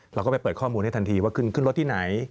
เราก็ไปเปิดข้อมูลให้ทันทีว่าขึ้นรถที่ไหน